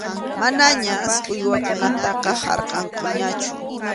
Manañas uywakunataqa harkʼankuñachu.